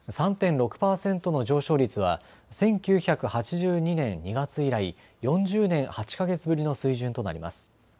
３．６％の上昇率は１９８２年２月以来、４０年８か月ぶりの水準となります。